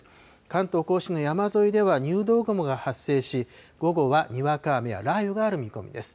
関東甲信の山沿いでは、入道雲が発生し、午後はにわか雨や雷雨がある見込みです。